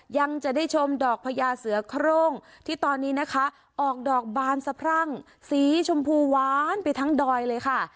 ยังจะได้ชมดอกพญาเสือโครงที่ตอนนี้นะคะออกดอกบานสะพรั่งสีชมพูหวานไปทั้งดอยเลยค่ะ